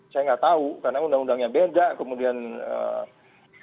saya tidak tahu karena undang undangnya beda kemudian statusnya juga beda